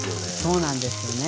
そうなんですよね。